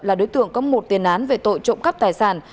là đối tượng có một tiền án về tội trộm cắp tài sản